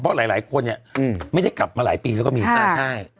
เพราะหลายคนเนี่ยไม่ได้กลับมาหลายปีแล้วก็มีอ่าใช่